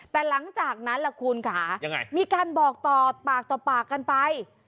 แต่หลังจากนั้นล่ะคุณค่ะยังไงมีการบอกต่อปากต่อปากกันไป